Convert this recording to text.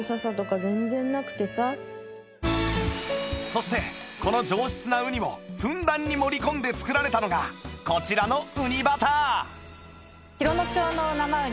そしてこの上質なウニをふんだんに盛り込んで作られたのがこちらのうにバター